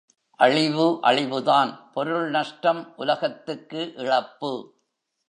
அழிவு அழிவுதான் பொருள் நஷ்டம் உலகத்துக்கு இழப்பு.